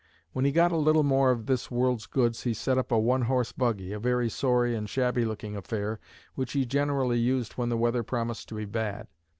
When he got a little more of this world's goods he set up a one horse buggy, a very sorry and shabby looking affair which he generally used when the weather promised to be bad.